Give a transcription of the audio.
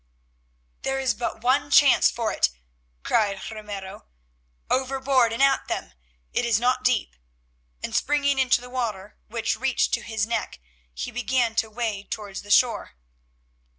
"There is but one chance for it," cried Ramiro, "overboard and at them. It is not deep," and springing into the water, which reached to his neck, he began to wade towards the shore.